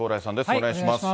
お願いします。